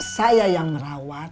saya yang merawat